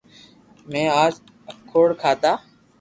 مي اج اکروڌ کادا